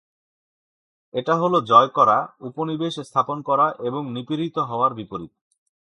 এটা হল জয় করা, উপনিবেশ স্থাপন করা এবং নিপীড়িত হওয়ার বিপরীত।